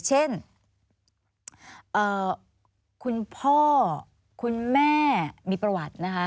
เช่นคุณพ่อคุณแม่มีประวัตินะคะ